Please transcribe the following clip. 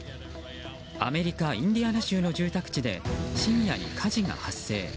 アメリカ・インディアナ州の住宅地で深夜に火事が発生。